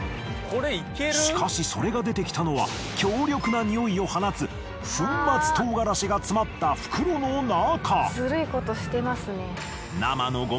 しかしそれが出てきたのは強力なにおいを放つ粉末唐辛子が詰まった袋の中。